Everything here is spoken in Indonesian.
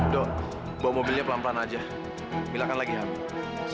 do bawa mobilnya pelan pelan aja mila kan lagi habis